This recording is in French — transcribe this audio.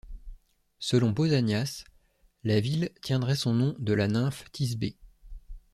Selon Pausanias, la ville tiendrait son nom de la nymphe Thisbé.